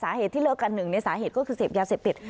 สาเหตุที่เลิกกันหนึ่งในสาเหตุก็คือเสพยาเสพติด